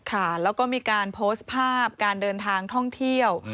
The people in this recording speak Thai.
ค่ะแล้วก็มีการโพสต์ภาพการเดินทางท่องเที่ยว